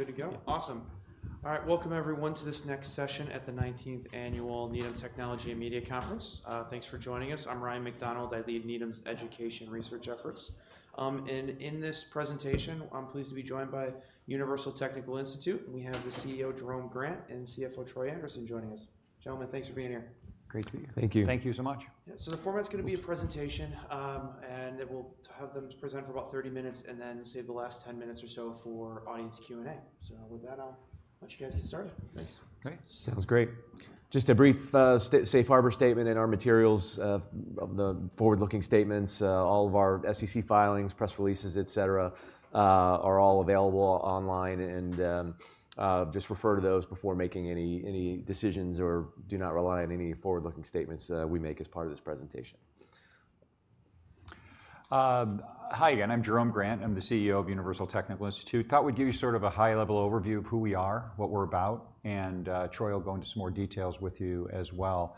Good to go? Awesome. All right, welcome everyone to this next session at the 19th Annual Needham Technology and Media Conference. Thanks for joining us. I'm Ryan MacDonald. I lead Needham's education research efforts. In this presentation, I'm pleased to be joined by Universal Technical Institute, and we have the CEO, Jerome Grant, and CFO, Troy Anderson, joining us. Gentlemen, thanks for being here. Great to be here. Thank you. Thank you so much. Yeah. So the format's gonna be a presentation, and then we'll have them present for about 30 minutes, and then save the last 10 minutes or so for audience Q&A. So with that, I'll let you guys get started. Thanks. Great. Sounds great. Just a brief safe harbor statement in our materials of the forward-looking statements. All of our SEC filings, press releases, et cetera, are all available online and just refer to those before making any decisions or do not rely on any forward-looking statements we make as part of this presentation. Hi again, I'm Jerome Grant. I'm the CEO of Universal Technical Institute. Thought we'd give you sort of a high-level overview of who we are, what we're about, and Troy will go into some more details with you as well.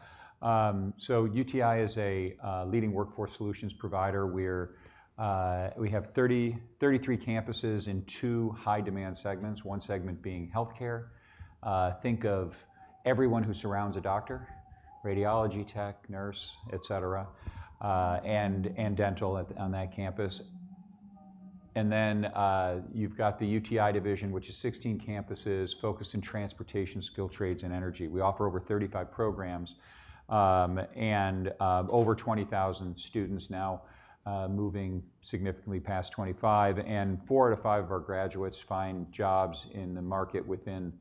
So UTI is a leading workforce solutions provider. We're we have 33 campuses in two high-demand segments, one segment being healthcare. Think of everyone who surrounds a doctor, radiology tech, nurse, et cetera, and dental on that campus. And then you've got the UTI division, which is 16 campuses focused in transportation, skilled trades, and energy. We offer over 35 programs, and over 20,000 students now, moving significantly past 25. Four out of five of our graduates find jobs in the market within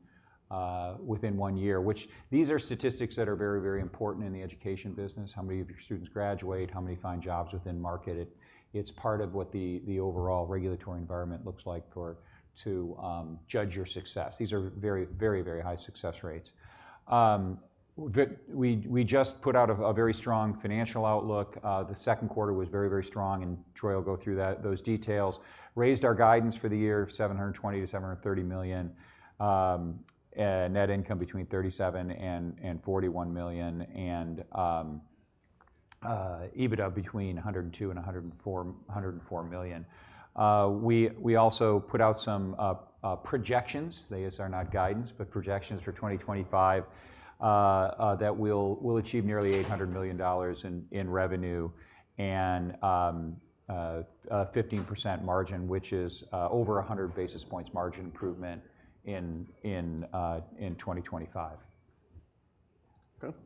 one year, which these are statistics that are very, very important in the education business. How many of your students graduate? How many find jobs within market? It's part of what the overall regulatory environment looks like for to judge your success. These are very, very, very high success rates. We just put out a very strong financial outlook. The second quarter was very, very strong, and Troy will go through those details. Raised our guidance for the year, $720 million-$730 million, and net income between $37 million and $41 million, and EBITDA between $102 million and $104 million. We also put out some projections. These are not guidance, but projections for 2025 that we'll achieve nearly $800 million in revenue and a 15% margin, which is over 100 basis points margin improvement in 2025. Okay.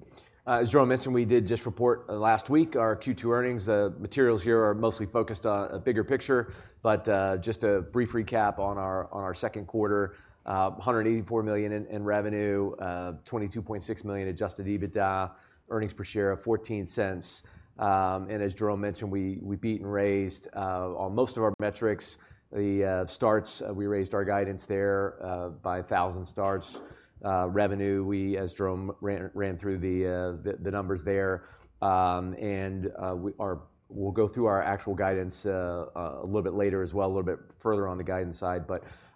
As Jerome mentioned, we did just report last week our Q2 earnings. The materials here are mostly focused on a bigger picture, but just a brief recap on our second quarter. $184 million in revenue, $22.6 million adjusted EBITDA, earnings per share of $0.14. And as Jerome mentioned, we beat and raised on most of our metrics. The starts, we raised our guidance there by 1,000 starts. Revenue, as Jerome ran through the numbers there, and we'll go through our actual guidance a little bit later as well, a little bit further on the guidance side.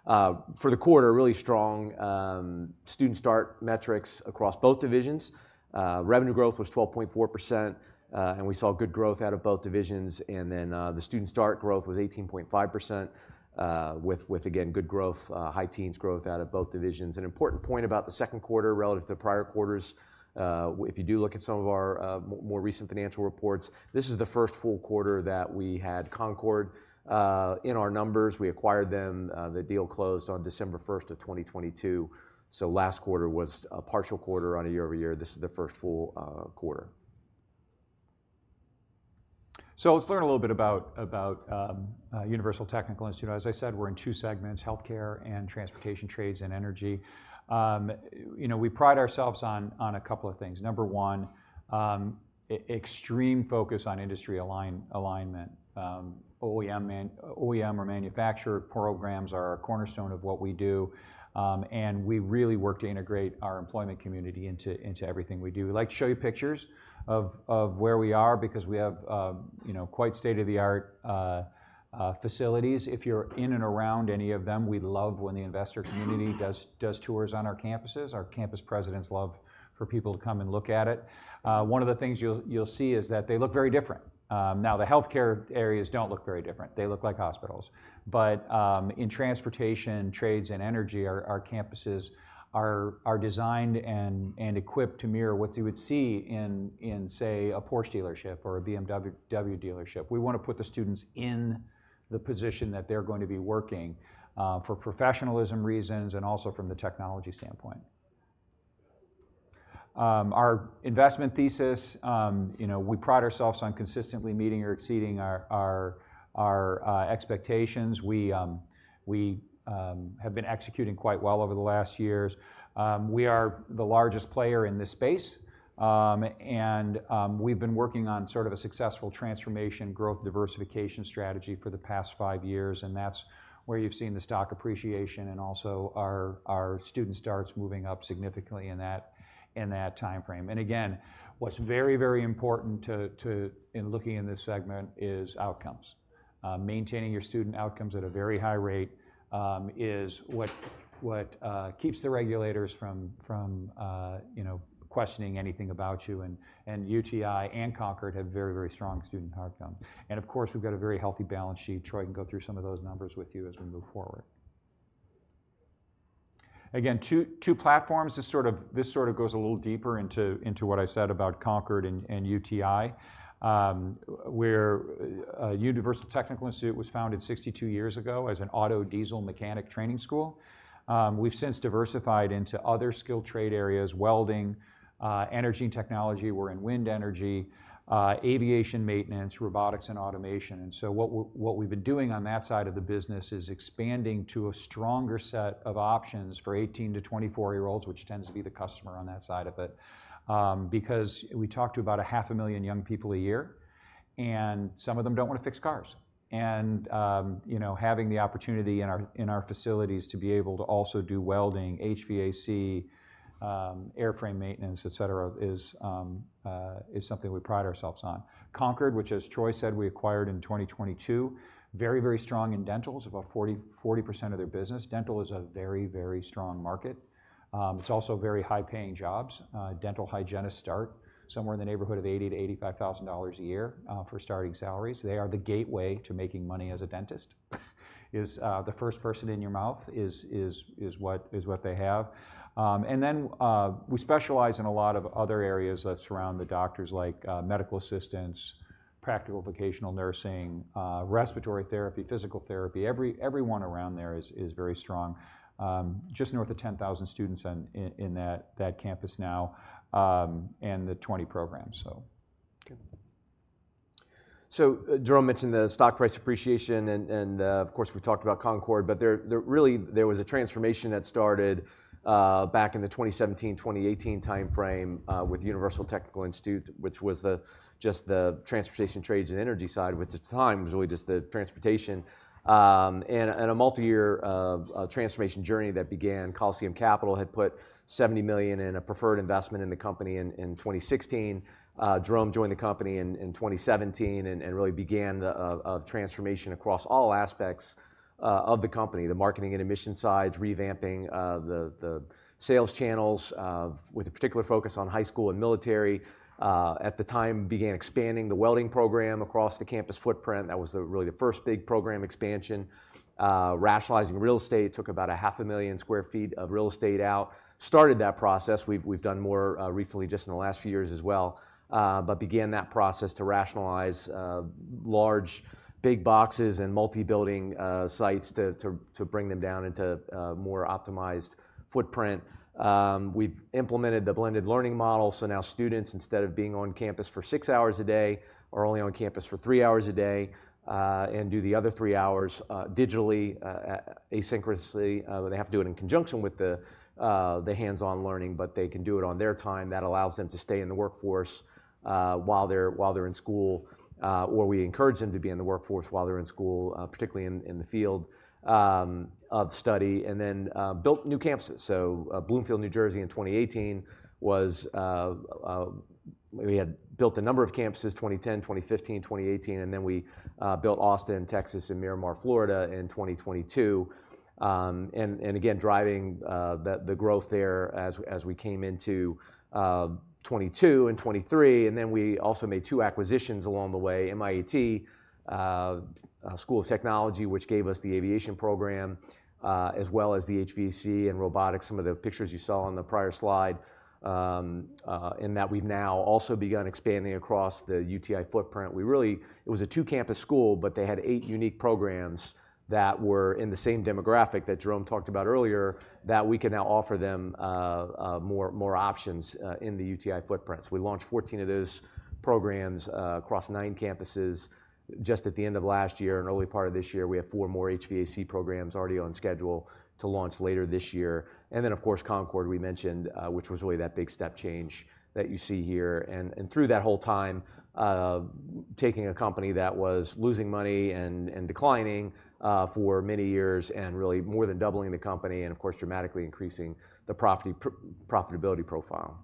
But for the quarter, really strong student start metrics across both divisions. Revenue growth was 12.4%, and we saw good growth out of both divisions. Then, the student start growth was 18.5%, with, with again, good growth, high teens growth out of both divisions. An important point about the second quarter relative to prior quarters, if you do look at some of our, more recent financial reports, this is the first full quarter that we had Concorde in our numbers. We acquired them, the deal closed on December 1st of 2022. So last quarter was a partial quarter on a year-over-year. This is the first full quarter. So let's learn a little bit about Universal Technical Institute. As I said, we're in two segments, healthcare and transportation, trades and energy. You know, we pride ourselves on a couple of things. Number one, extreme focus on industry alignment. OEM or manufacturer programs are a cornerstone of what we do, and we really work to integrate our employment community into everything we do. We'd like to show you pictures of where we are because we have, you know, quite state-of-the-art facilities. If you're in and around any of them, we love when the investor community does tours on our campuses. Our campus presidents love for people to come and look at it. One of the things you'll see is that they look very different. Now, the healthcare areas don't look very different. They look like hospitals. But, in transportation, trades, and energy, our campuses are designed and equipped to mirror what you would see in, say, a Porsche dealership or a BMW dealership. We wanna put the students in the position that they're going to be working for professionalism reasons and also from the technology standpoint. Our investment thesis, you know, we pride ourselves on consistently meeting or exceeding our expectations. We have been executing quite well over the last years. We are the largest player in this space, and we've been working on sort of a successful transformation growth diversification strategy for the past five years, and that's where you've seen the stock appreciation and also our student starts moving up significantly in that timeframe. And again, what's very, very important to in looking in this segment is outcomes. Maintaining your student outcomes at a very high rate is what keeps the regulators from you know, questioning anything about you, and UTI and Concordee have very, very strong student outcomes. And of course, we've got a very healthy balance sheet. Troy can go through some of those numbers with you as we move forward. Again, two platforms. This sort of goes a little deeper into what I said about Concorde and UTI. Universal Technical Institute was founded 62 years ago as an auto diesel mechanic training school. We've since diversified into other skilled trade areas, welding, energy technology, we're in wind energy, aviation maintenance, robotics and automation. So what we've been doing on that side of the business is expanding to a stronger set of options for 18-year-olds-24-year-olds, which tends to be the customer on that side of it. Because we talk to about 500,000 young people a year, and some of them don't wanna fix cars. You know, having the opportunity in our facilities to be able to also do welding, HVAC, airframe maintenance, et cetera, is something we pride ourselves on. Concorde, which, as Troy said, we acquired in 2022, very, very strong in dental, about 40% of their business. Dental is a very, very strong market. It's also very high-paying jobs. Dental hygienists start somewhere in the neighborhood of $80,000-$85,000 a year, for starting salaries. They are the gateway to making money as a dentist. They are the first person in your mouth, what they have. And then, we specialize in a lot of other areas that surround the doctors, like, medical assistants, practical vocational nursing, respiratory therapy, physical therapy. Everyone around there is very strong. Just north of 10,000 students in that campus now, and the 20 programs, so. Okay. So Jerome mentioned the stock price appreciation, and of course, we talked about Concorde, but there really was a transformation that started back in the 2017, 2018 time frame with Universal Technical Institute, which was just the transportation, trades, and energy side, which at the time was really just the transportation. And a multi-year transformation journey that began. Coliseum Capital had put $70 million in a preferred investment in the company in 2016. Jerome joined the company in 2017 and really began the transformation across all aspects of the company, the marketing and admission sides, revamping the sales channels with a particular focus on high school and military. At the time, began expanding the welding program across the campus footprint. That was really the first big program expansion. Rationalizing real estate took about 500,000 sq ft of real estate out. Started that process. We've done more recently, just in the last few years as well, but began that process to rationalize large, big boxes and multi-building sites to bring them down into a more optimized footprint. We've implemented the Blended Learning Model, so now students, instead of being on campus for six hours a day, are only on campus for three hours a day, and do the other three hours digitally, asynchronously. They have to do it in conjunction with the hands-on learning, but they can do it on their time. That allows them to stay in the workforce, while they're in school, or we encourage them to be in the workforce while they're in school, particularly in the field of study. And then built new campuses. So, Bloomfield, New Jersey, in 2018. We had built a number of campuses, 2010, 2015, 2018, and then we built Austin, Texas, and Miramar, Florida, in 2022. And again, driving the growth there as we came into 2022 and 2023. And then we also made two acquisitions along the way, MIAT School of Technology, which gave us the aviation program, as well as the HVAC and robotics, some of the pictures you saw on the prior slide. And that we've now also begun expanding across the UTI footprint. It was a two campus school, but they had eight unique programs that were in the same demographic that Jerome talked about earlier, that we can now offer them, more options, in the UTI footprints. We launched 14 of those programs, across nine campuses just at the end of last year and early part of this year. We have four more HVAC programs already on schedule to launch later this year. And then, of course, Concorde, we mentioned, which was really that big step change that you see here. And through that whole time, taking a company that was losing money and declining, for many years and really more than doubling the company and of course, dramatically increasing the profitability profile.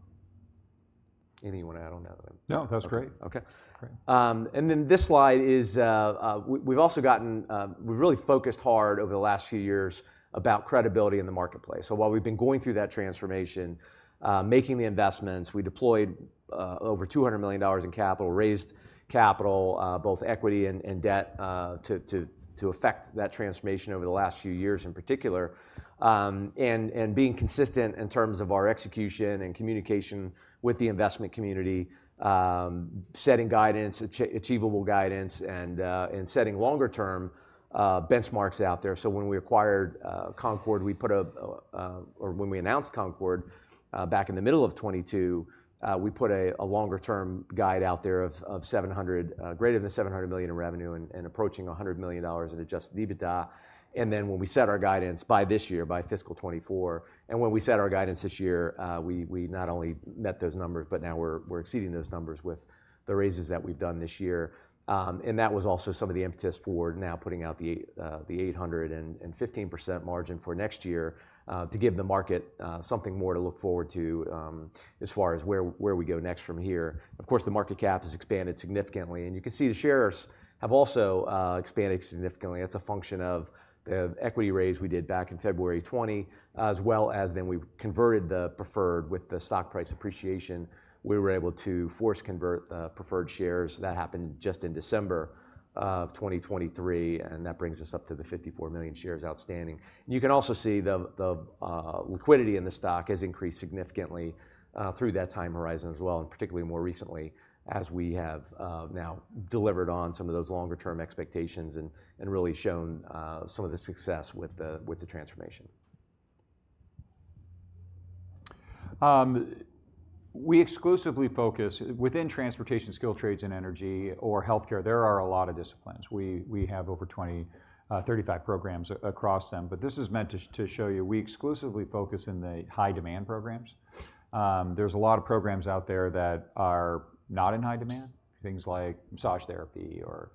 Anything you wanna add on that item? No, that's great. Okay. Great. And then this slide is, we've also gotten. We've really focused hard over the last few years about credibility in the marketplace. So while we've been going through that transformation, making the investments, we deployed over $200 million in capital, raised capital, both equity and debt, to effect that transformation over the last few years in particular. And being consistent in terms of our execution and communication with the investment community, setting guidance, achievable guidance, and setting longer term benchmarks out there. So when we acquired Concorde, or when we announced Concorde back in the middle of 2022, we put a longer-term guide out there of greater than $700 million in revenue and approaching $100 million in Adjusted EBITDA. And then when we set our guidance by this year, by fiscal 2024, and when we set our guidance this year, we not only met those numbers, but now we're exceeding those numbers with the raises that we've done this year. And that was also some of the impetus for now putting out the $800 and 15% margin for next year to give the market something more to look forward to, as far as where we go next from here. Of course, the market cap has expanded significantly, and you can see the shares have also expanded significantly. That's a function of the equity raise we did back in February 2020, as well as then we converted the preferred with the stock price appreciation. We were able to force convert the preferred shares. That happened just in December of 2023, and that brings us up to the 54 million shares outstanding. You can also see the liquidity in the stock has increased significantly through that time horizon as well, and particularly more recently, as we have now delivered on some of those longer-term expectations and really shown some of the success with the transformation.... We exclusively focus within transportation, skilled trades, and energy or healthcare, there are a lot of disciplines. We, we have over 35 programs across them, but this is meant to show you we exclusively focus in the high-demand programs. There's a lot of programs out there that are not in high demand, things like massage therapy or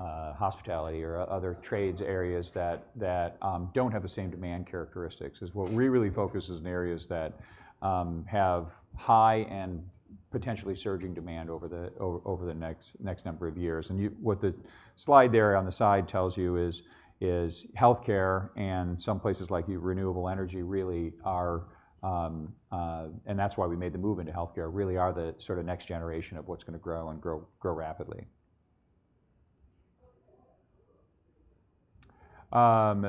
hospitality or other trades areas that don't have the same demand characteristics as what we really focus is in areas that have high and potentially surging demand over the next number of years. And what the slide there on the side tells you is healthcare and some places like renewable energy really are. That's why we made the move into healthcare, really are the sorta next generation of what's gonna grow and grow, grow rapidly.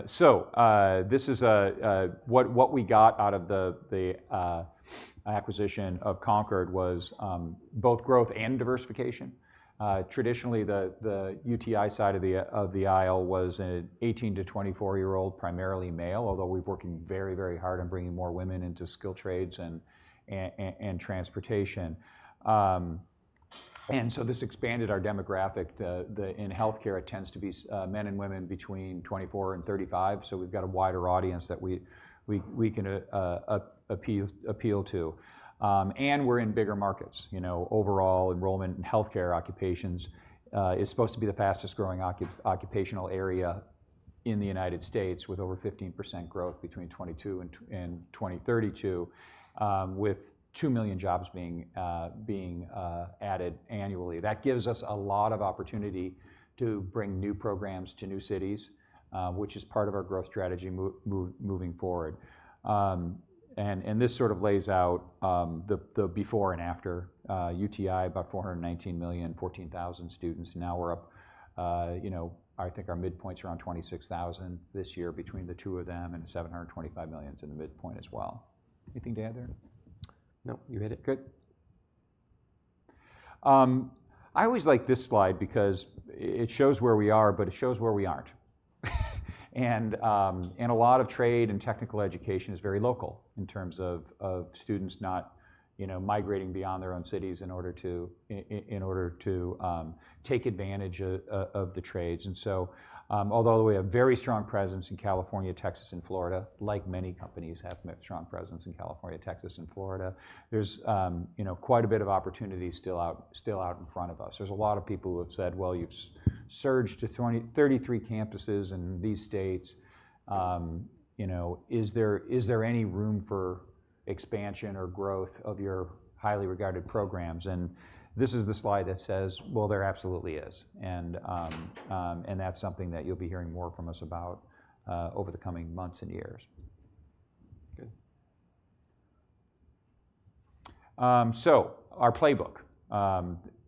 So, this is what we got out of the acquisition of Concorde was both growth and diversification. Traditionally, the UTI side of the aisle was 18-year-old-24-year-old, primarily male, although we've working very, very hard on bringing more women into skilled trades and transportation. So this expanded our demographic. In healthcare, it tends to be men and women between 24 and 35, so we've got a wider audience that we can appeal to. We're in bigger markets. You know, overall enrollment in healthcare occupations is supposed to be the fastest growing occupational area in the United States, with over 15% growth between 2022 and 2032, with 2 million jobs being added annually. That gives us a lot of opportunity to bring new programs to new cities, which is part of our growth strategy moving forward. And this sort of lays out the before and after. UTI, about $419 million, 14,000 students. Now we're up, you know, I think our midpoints are around 26,000 this year between the two of them, and $725 million to the midpoint as well. Anything to add there? No, you hit it good. I always like this slide because it shows where we are, but it shows where we aren't. And a lot of trade and technical education is very local in terms of students not, you know, migrating beyond their own cities in order to take advantage of the trades. And so, although we have very strong presence in California, Texas, and Florida, like many companies have a strong presence in California, Texas, and Florida, there's, you know, quite a bit of opportunity still out in front of us. There's a lot of people who have said, "Well, you've surged to 23 campuses in these states. You know, is there, is there any room for expansion or growth of your highly regarded programs?" And this is the slide that says, "Well, there absolutely is." And that's something that you'll be hearing more from us about, over the coming months and years. Good. So our playbook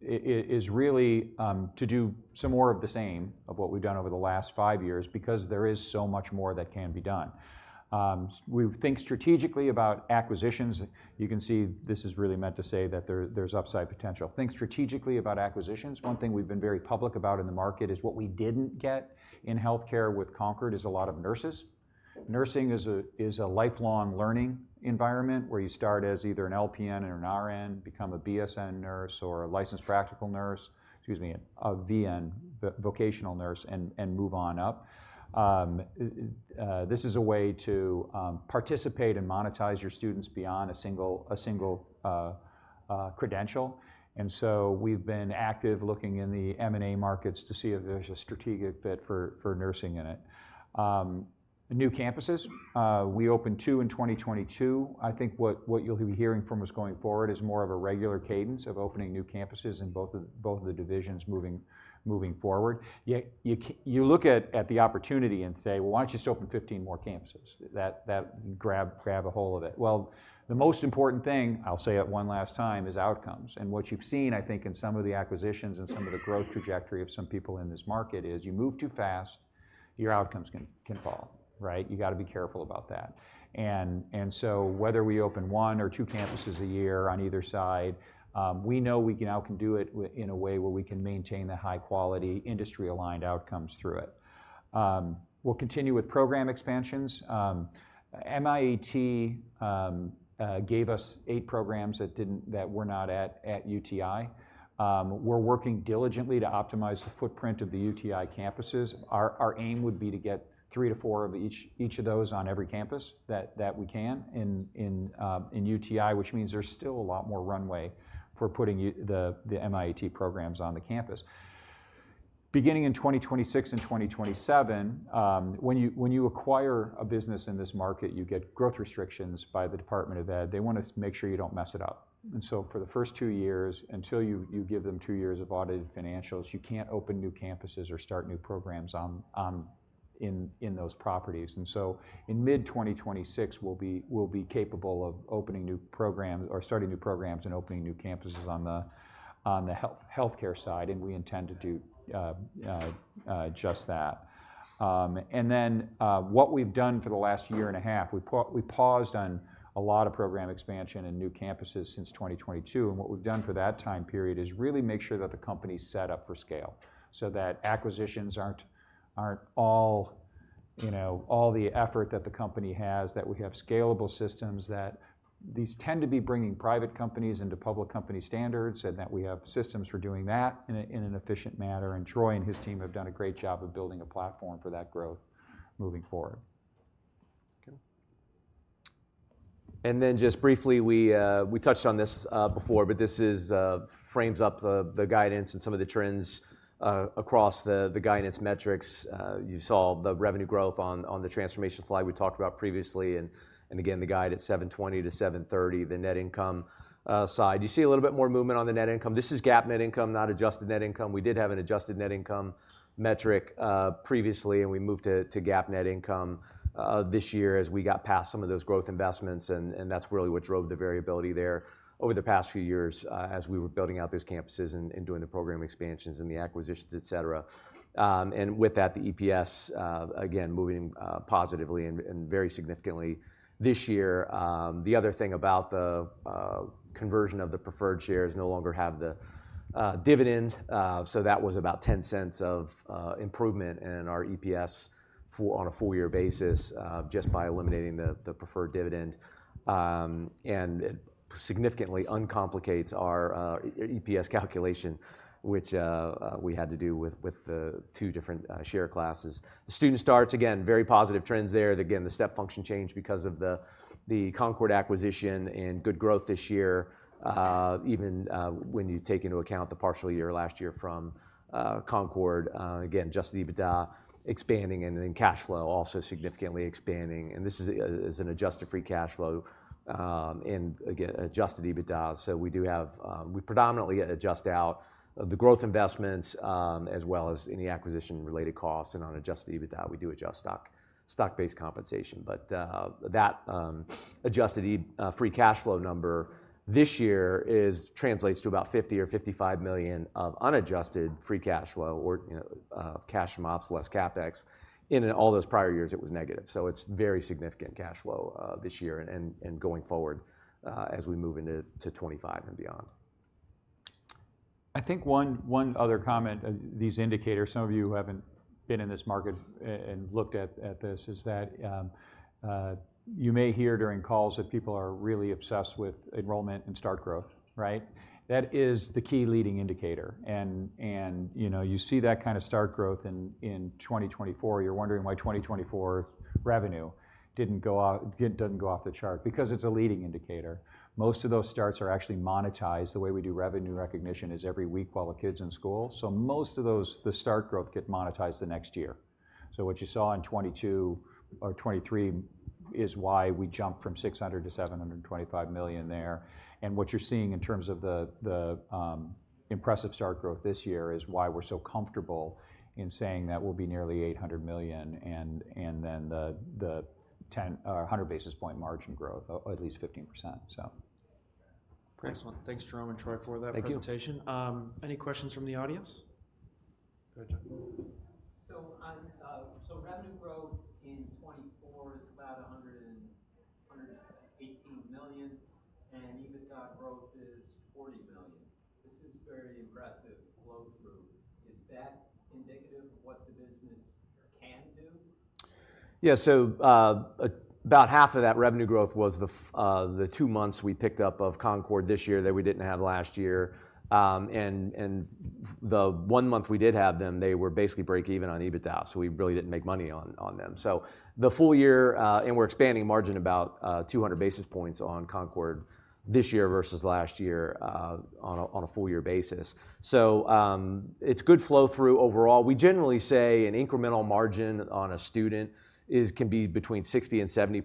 is really to do some more of the same of what we've done over the last five years, because there is so much more that can be done. We think strategically about acquisitions. You can see this is really meant to say that there's upside potential. Think strategically about acquisitions. One thing we've been very public about in the market is what we didn't get in healthcare with Concorde is a lot of nurses. Nursing is a lifelong learning environment, where you start as either an LPN or an RN, become a BSN nurse or a licensed practical nurse, excuse me, a VN, vocational nurse, and move on up. This is a way to participate and monetize your students beyond a single credential. And so we've been active looking in the M&A markets to see if there's a strategic fit for nursing in it. New campuses, we opened two in 2022. I think what you'll be hearing from us going forward is more of a regular cadence of opening new campuses in both of the divisions moving forward. Yet, you look at the opportunity and say: Well, why don't you just open 15 more campuses? That - grab a hold of it. Well, the most important thing, I'll say it one last time, is outcomes. And what you've seen, I think, in some of the acquisitions and some of the growth trajectory of some people in this market is, you move too fast, your outcomes can fall, right? You've got to be careful about that. Whether we open one or two campuses a year on either side, we know we can now do it in a way where we can maintain the high quality, industry-aligned outcomes through it. We'll continue with program expansions. MIAT gave us eight programs that were not at UTI. We're working diligently to optimize the footprint of the UTI campuses. Our aim would be to get three to four of each of those on every campus that we can in UTI, which means there's still a lot more runway for putting the MIAT programs on the campus. Beginning in 2026 and 2027, when you acquire a business in this market, you get growth restrictions by the Department of Ed. They wanna make sure you don't mess it up. And so for the first two years, until you give them two years of audited financials, you can't open new campuses or start new programs on, in those properties. And so in mid-2026, we'll be capable of opening new programs or starting new programs and opening new campuses on the healthcare side, and we intend to do just that. And then, what we've done for the last year and a half, we paused on... A lot of program expansion and new campuses since 2022, and what we've done for that time period is really make sure that the company's set up for scale, so that acquisitions aren't, aren't all, you know, all the effort that the company has, that we have scalable systems, that these tend to be bringing private companies into public company standards, and that we have systems for doing that in a, in an efficient manner. And Troy and his team have done a great job of building a platform for that growth moving forward. Okay. And then just briefly, we touched on this before, but this frames up the guidance and some of the trends across the guidance metrics. You saw the revenue growth on the transformation slide we talked about previously, and again, the guide at $720-$730, the net income side. You see a little bit more movement on the net income. This is GAAP net income, not adjusted net income. We did have an adjusted net income metric previously, and we moved to GAAP net income this year as we got past some of those growth investments, and that's really what drove the variability there over the past few years as we were building out those campuses and doing the program expansions and the acquisitions, et cetera. And with that, the EPS again moving positively and very significantly this year. The other thing about the conversion of the preferred shares no longer have the dividend. So that was about $0.10 of improvement in our EPS on a full year basis, just by eliminating the preferred dividend. And it significantly uncomplicates our EPS calculation, which we had to do with the two different share classes. The student starts, again, very positive trends there. Again, the step function changed because of the Concorde acquisition and good growth this year, even when you take into account the partial year last year from Concorde. Again, adjusted EBITDA expanding and then cash flow also significantly expanding. This is an adjusted free cash flow, and again, adjusted EBITDA. So we do have, we predominantly adjust out the growth investments, as well as any acquisition-related costs, and on adjusted EBITDA, we do adjust stock-based compensation. But, that adjusted EBITDA free cash flow number this year is translates to about $50 million-$55 million of unadjusted free cash flow or, you know, cash ops less CapEx. In all those prior years, it was negative. So it's very significant cash flow, this year and going forward, as we move into 2025 and beyond. I think one other comment, these indicators, some of you who haven't been in this market and looked at this, is that you may hear during calls that people are really obsessed with enrollment and start growth, right? That is the key leading indicator. And you know, you see that kind of start growth in 2024, you're wondering why 2024 revenue didn't go off the chart, because it's a leading indicator. Most of those starts are actually monetized. The way we do revenue recognition is every week while a kid's in school, so most of those, the start growth get monetized the next year. So what you saw in 2022 or 2023 is why we jumped from $600 million-$725 million there. What you're seeing in terms of the impressive start growth this year is why we're so comfortable in saying that we'll be nearly $800 million, and then the 1,000 basis point margin growth, at least 15%, so. Excellent. Thanks, Jerome and Troy, for that presentation. Thank you. Any questions from the audience? Go ahead, John. So, revenue growth in 2024 is about $118 million, and EBITDA growth is $40 million. This is very impressive flow through. Is that indicative of what the business can do? Yeah, so, about half of that revenue growth was the two months we picked up of Concorde this year that we didn't have last year. And, and the one month we did have them, they were basically break even on EBITDA, so we really didn't make money on, on them. So the full year, and we're expanding margin about, two hundred basis points on Concorde this year versus last year, on a, on a full year basis. So, it's good flow through overall. We generally say an incremental margin on a student is can be between 60% and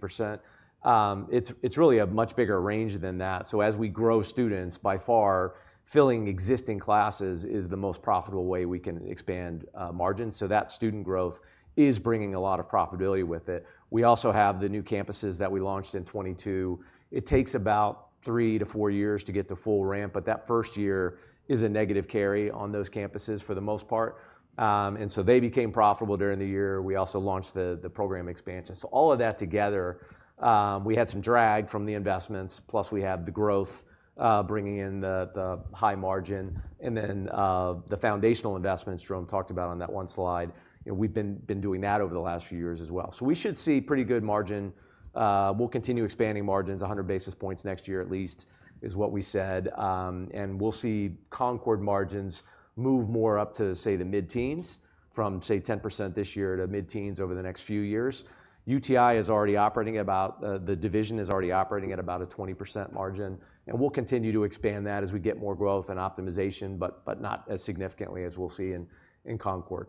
70%. It's, it's really a much bigger range than that. So as we grow students, by far, filling existing classes is the most profitable way we can expand, margins. So that student growth is bringing a lot of profitability with it. We also have the new campuses that we launched in 2022. It takes about three to four years to get to full ramp, but that first year is a negative carry on those campuses for the most part. And so they became profitable during the year. We also launched the, the program expansion. So all of that together, we had some drag from the investments, plus we have the growth, bringing in the, the high margin, and then, the foundational investments Jerome talked about on that one slide. You know, we've been, been doing that over the last few years as well. So we should see pretty good margin. We'll continue expanding margins, 100 basis points next year, at least, is what we said. And we'll see Concorde margins move more up to, say, the mid-teens, from, say, 10% this year to mid-teens over the next few years. UTI is already operating about, the division is already operating at about a 20% margin, and we'll continue to expand that as we get more growth and optimization, but, but not as significantly as we'll see in, in Concorde.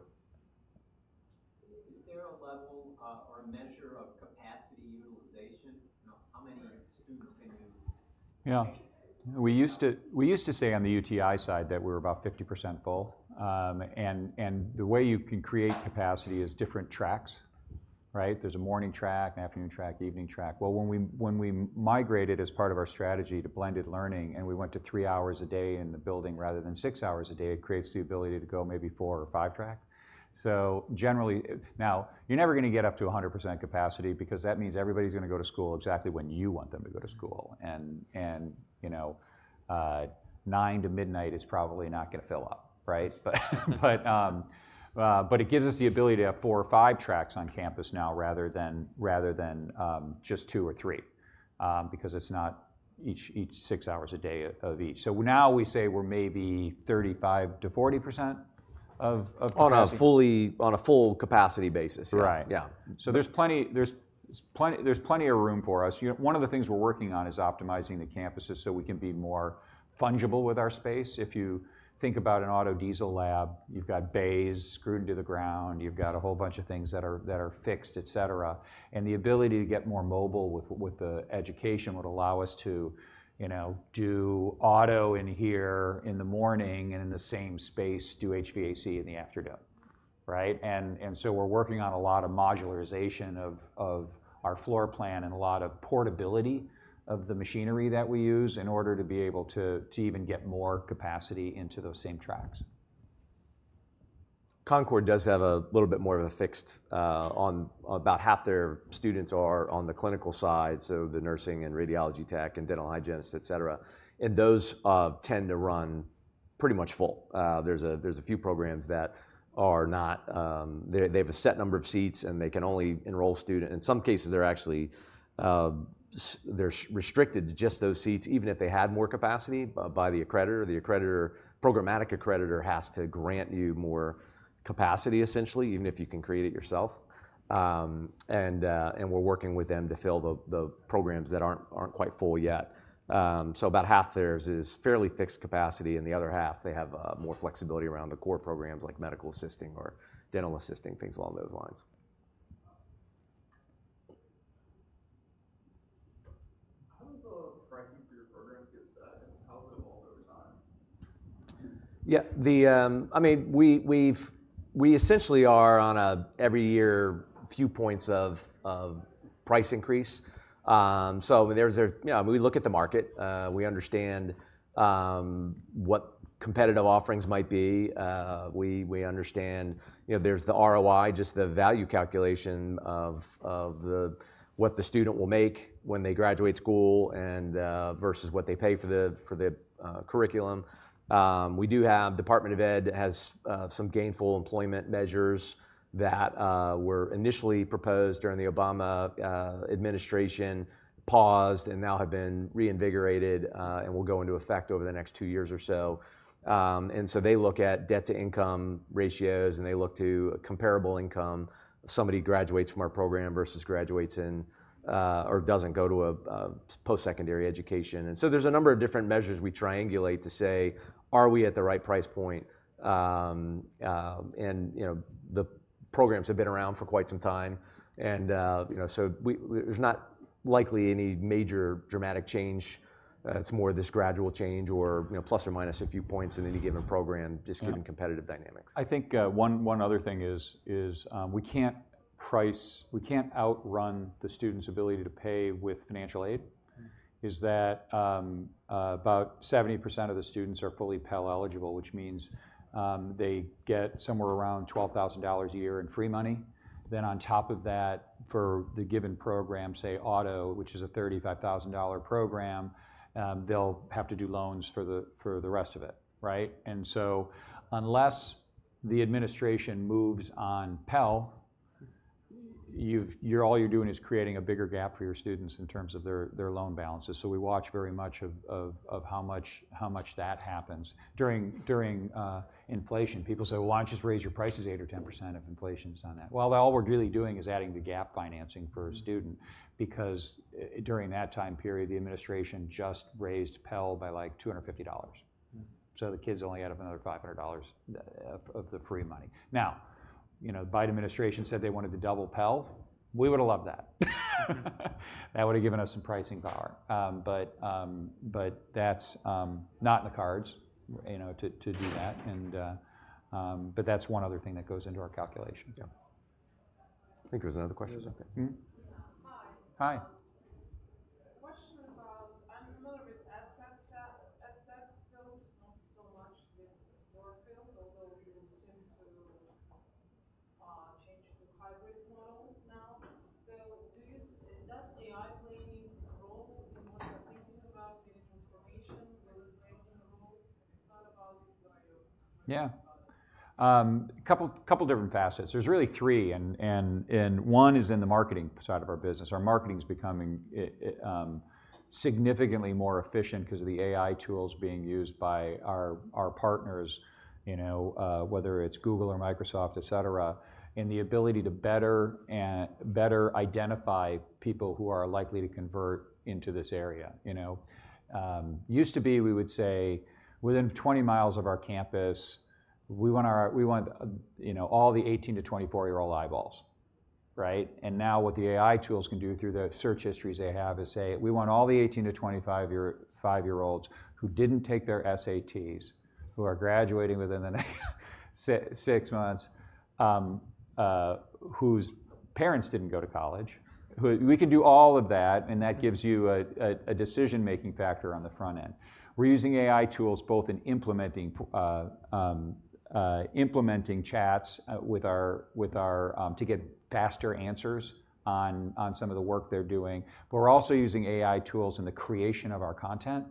Is there a level, or a measure of capacity utilization? You know, how many students can you- Yeah. We used to say on the UTI side that we're about 50% full. And the way you can create capacity is different tracks, right? There's a morning track, an afternoon track, evening track. Well, when we migrated as part of our strategy to blended learning, and we went to three hours a day in the building rather than six hours a day, it creates the ability to go maybe four or five track. So generally, now, you're never gonna get up to 100% capacity, because that means everybody's gonna go to school exactly when you want them to go to school. And you know, nine to midnight is probably not gonna fill up, right? It gives us the ability to have four or five tracks on campus now, rather than just two or three. Because it's not each six hours a day of each. So now we say we're maybe 35%-40% of capacity? On a full capacity basis. Right. Yeah. So there's plenty of room for us. You know, one of the things we're working on is optimizing the campuses, so we can be more fungible with our space. If you think about an auto diesel lab, you've got bays screwed into the ground, you've got a whole bunch of things that are fixed, et cetera. And the ability to get more mobile with the education would allow us to, you know, do auto in here in the morning, and in the same space, do HVAC in the afternoon. Right? And so we're working on a lot of modularization of our floor plan, and a lot of portability of the machinery that we use, in order to be able to even get more capacity into those same tracks. Concorde does have a little bit more of a fixed. On about half their students are on the clinical side, so the nursing and radiology tech and dental hygienist, et cetera. And those tend to run pretty much full. There's a few programs that are not. They have a set number of seats, and they can only enroll students. In some cases, they're actually restricted to just those seats, even if they had more capacity, by the accreditor. The accreditor, programmatic accreditor has to grant you more capacity, essentially, even if you can create it yourself. And we're working with them to fill the programs that aren't quite full yet. So about half theirs is fairly fixed capacity, and the other half, they have more flexibility around the core programs, like medical assisting or dental assisting, things along those lines. How does the pricing for your programs get set, and how has it evolved over time? Yeah, I mean, we, we've, we essentially are on a every year few points of price increase. So, you know, we look at the market. We understand what competitive offerings might be. We, we understand, you know, there's the ROI, just the value calculation of what the student will make when they graduate school, and versus what they pay for the curriculum. We do have Department of Ed has some gainful employment measures that were initially proposed during the Obama administration, paused, and now have been reinvigorated and will go into effect over the next two years or so. And so they look at debt-to-income ratios, and they look to comparable income, somebody who graduates from our program versus graduates and or doesn't go to a post-secondary education. And so there's a number of different measures we triangulate to say, "Are we at the right price point?" And, you know, the programs have been around for quite some time, and, you know, so we. There's not likely any major dramatic change. It's more of this gradual change or, you know, plus or minus a few points in any given program, just given competitive dynamics. I think, one other thing is, we can't outrun the student's ability to pay with financial aid. Mm. Is that about 70% of the students are fully Pell eligible, which means they get somewhere around $12,000 a year in free money. Then on top of that, for the given program, say, auto, which is a $35,000 program, they'll have to do loans for the rest of it, right? And so unless the administration moves on Pell, you're all you're doing is creating a bigger gap for your students in terms of their loan balances. So we watch very much how much that happens during inflation. People say, "Why not just raise your prices 8% or 10% if inflation's on that?" Well, all we're really doing is adding the gap financing for a student- Mm... because, during that time period, the administration just raised Pell by, like, $250. Mm. So the kids only add up another $500 of the free money. Now, you know, Biden administration said they wanted to double Pell. We would've loved that. That would've given us some pricing power. But that's not in the cards, you know, to do that. And but that's one other thing that goes into our calculations. Yeah. I think there was another question out there. Mm-hmm? Hi. Hi. A question about, I'm familiar with... Not so much with your field, although you seem to change to hybrid model now. So do you-- Does AI playing a role in what you're thinking about in transformation, will it play any role? I thought about it by your- Yeah. -product. A couple different facets. There's really three, and one is in the marketing side of our business. Our marketing is becoming significantly more efficient because of the AI tools being used by our partners, you know, whether it's Google or Microsoft, et cetera, and the ability to better identify people who are likely to convert into this area, you know? Used to be, we would say, within 20 miles of our campus, we want, you know, all the 18-year-old-24-year-old eyeballs, right? And now, what the AI tools can do through the search histories they have is say, "We want all the 18-year-old-25-year-olds who didn't take their SATs, who are graduating within the next... six months, whose parents didn't go to college. We can do all of that, and that gives you a decision-making factor on the front end. We're using AI tools both in implementing chats with our, with our, to get faster answers on some of the work they're doing. But we're also using AI tools in the creation of our content.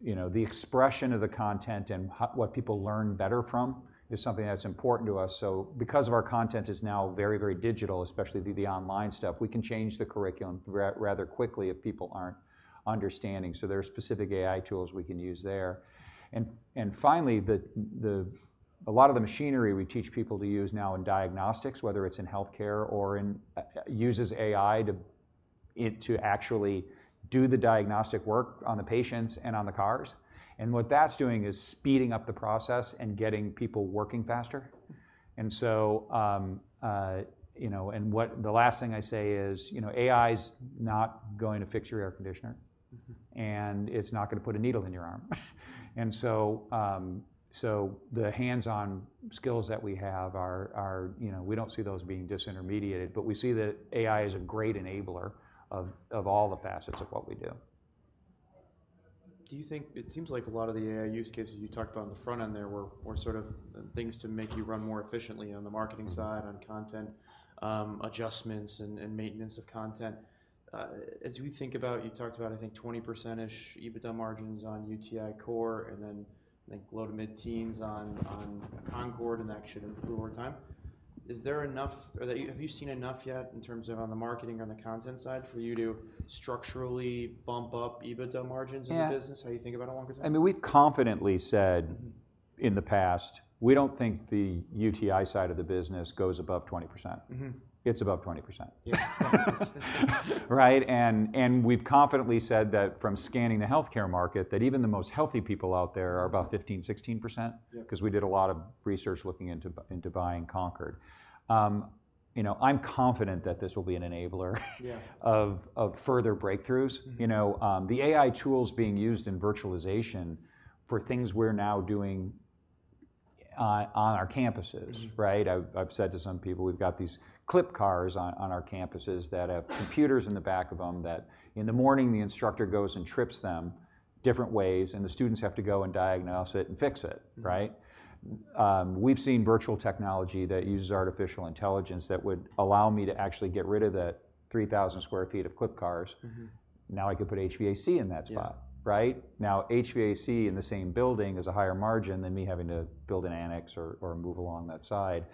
You know, the expression of the content and what people learn better from is something that's important to us. So because our content is now very, very digital, especially the online stuff, we can change the curriculum rather quickly if people aren't understanding. So there are specific AI tools we can use there. And finally, a lot of the machinery we teach people to use now in diagnostics, whether it's in healthcare or in uses AI to it to actually do the diagnostic work on the patients and on the cars, and what that's doing is speeding up the process and getting people working faster. And so, you know, and what the last thing I say is, "You know, AI's not going to fix your air conditioner- Mm-hmm. and it's not gonna put a needle in your arm." And so, so the hands-on skills that we have are, you know, we don't see those being disintermediated, but we see that AI is a great enabler of all the facets of what we do. Do you think... It seems like a lot of the AI use cases you talked about on the front end there were sort of things to make you run more efficiently on the marketing side- Mm. On content, adjustments and maintenance of content. As we think about, you talked about, I think, 20%ish EBITDA margins on UTI core, and then, I think, low to mid-teens on Concorde, and that should improve over time. Is there enough or that, have you seen enough yet in terms of on the marketing, on the content side, for you to structurally bump up EBITDA margins? Yeah In the business, how you think about it longer term? I mean, we've confidently said- Mm... in the past, we don't think the UTI side of the business goes above 20%. Mm-hmm. It's above 20%. Yeah. Right? And we've confidently said that from scanning the healthcare market, that even the most healthy people out there are about 15%-16%. Yeah... 'cause we did a lot of research looking into buying Concorde. You know, I'm confident that this will be an enabler. Yeah... of further breakthroughs. Mm-hmm. You know, the AI tools being used in virtualization for things we're now doing on our campuses- Mm-hmm... right? I've said to some people, we've got these clip cars on our campuses that have computers in the back of 'em, that in the morning, the instructor goes and trips them different ways, and the students have to go and diagnose it and fix it, right? Mm-hmm. We've seen virtual technology that uses artificial intelligence that would allow me to actually get rid of the 3,000 sq ft of clip cars. Mm-hmm. Now I could put HVAC in that spot- Yeah... right? Now, HVAC in the same building is a higher margin than me having to build an annex or move along that side.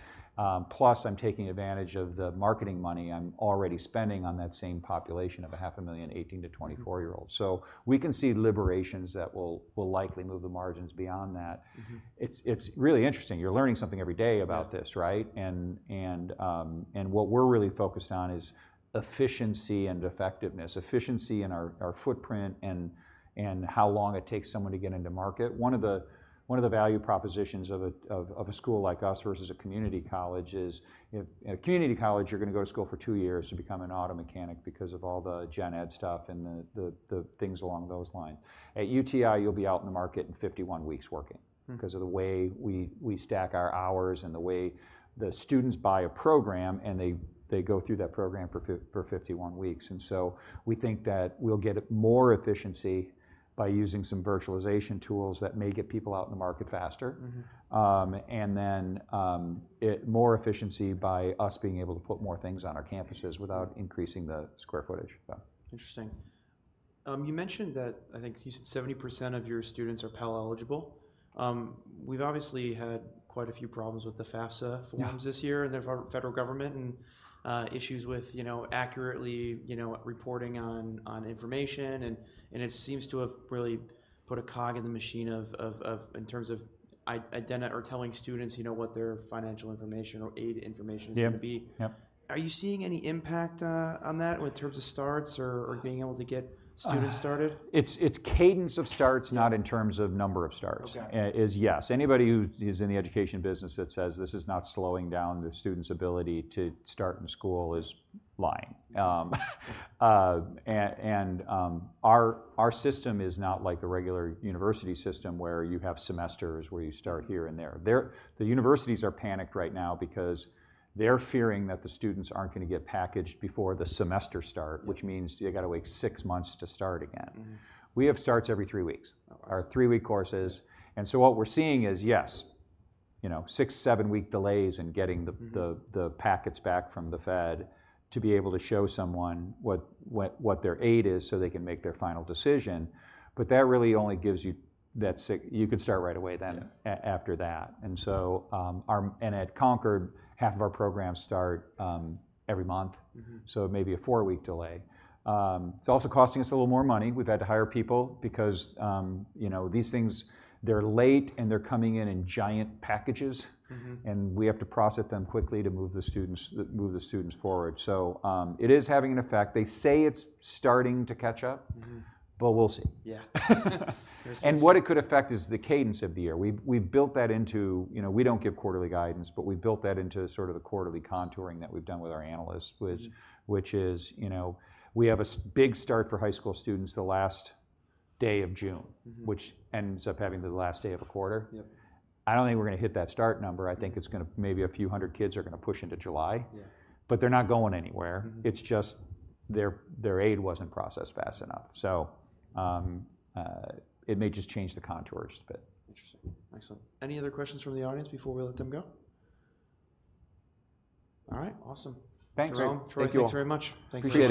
Plus, I'm taking advantage of the marketing money I'm already spending on that same population of 500,000 18-24-year-olds. Mm-hmm. So we can see levers that will likely move the margins beyond that. Mm-hmm. It's really interesting. You're learning something every day about this- Yeah... right? And what we're really focused on is efficiency and effectiveness, efficiency in our footprint and how long it takes someone to get into market. One of the value propositions of a school like us versus a community college is if, at a community college, you're gonna go to school for two years to become an auto mechanic because of all the gen ed stuff and the things along those lines. At UTI, you'll be out in the market in 51 weeks working- Mm... because of the way we stack our hours and the way the students buy a program, and they go through that program for 51 weeks. And so we think that we'll get more efficiency by using some virtualization tools that may get people out in the market faster. Mm-hmm. and then, it more efficiency by us being able to put more things on our campuses. Mm... without increasing the square footage. Yeah. Interesting. You mentioned that, I think you said 70% of your students are Pell-eligible. We've obviously had quite a few problems with the FAFSA forms- Yeah... this year and the federal government, and issues with, you know, accurately reporting on information. And it seems to have really put a cog in the machine of, in terms of identifying or telling students, you know, what their financial information or aid information- Yeah... is gonna be. Yeah. Are you seeing any impact on that in terms of starts or, or being able to get students started? It's cadence of starts- Yeah... not in terms of number of starts. Okay. Yes. Anybody who is in the education business that says this is not slowing down the student's ability to start in school is lying. Our system is not like a regular university system, where you have semesters, where you start here and there. They're - the universities are panicked right now because they're fearing that the students aren't gonna get packaged before the semester start- Yeah... which means you've gotta wait six months to start again. Mm-hmm. We have starts every three weeks. Oh, wow. Our three-week courses. So what we're seeing is, yes, you know, 6-7-week delays in getting the- Mm-hmm... the packets back from the Fed to be able to show someone what their aid is, so they can make their final decision. But that really only gives you that you could start right away then- Yeah... after that. And so, our, and at Concorde, half of our programs start every month. Mm-hmm. It may be a four-week delay. It's also costing us a little more money. We've had to hire people because, you know, these things, they're late, and they're coming in in giant packages. Mm-hmm. We have to process them quickly to move the students, move the students forward. So, it is having an effect. They say it's starting to catch up- Mm-hmm ... but we'll see. Yeah. We'll see. What it could affect is the cadence of the year. We've built that into, you know, we don't give quarterly guidance, but we've built that into sort of the quarterly contouring that we've done with our analysts, which- Mm... which is, you know, we have a big start for high school students the last day of June- Mm-hmm... which ends up having the last day of a quarter. Yeah. I don't think we're gonna hit that start number. Mm-hmm. I think it's gonna, maybe a few hundred kids are gonna push into July. Yeah. But they're not going anywhere. Mm-hmm. It's just their aid wasn't processed fast enough. So, it may just change the contours a bit. Interesting. Excellent. Any other questions from the audience before we let them go? All right, awesome. Thanks, Ron. Thank you. Troy, thanks very much. Thanks for the-